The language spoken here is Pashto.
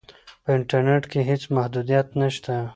په انټرنیټ کې هیڅ محدودیت نشته.